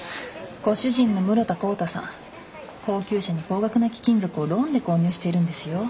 ご主人の室田晃汰さん高級車に高額な貴金属をローンで購入しているんですよ。